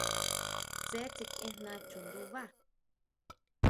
Tsé tsikʼiejna chundubá.